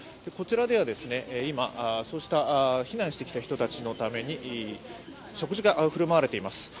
こちらでは今、そうした避難してきた人たちのために食事がふるまわれています。